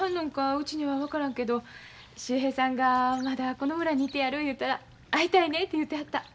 うちには分からんけど秀平さんがまだこの村にいてやる言うたら会いたいねて言うてはった。